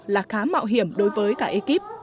là khá mạo hiểm đối với cả ekip